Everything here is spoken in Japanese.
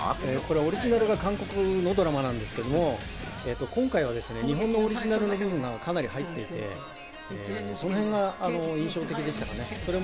オリジナルが韓国のドラマなんですけど、今回は日本のオリジナルの部分がかなり入っていて、そのへんが印象的でしたかね。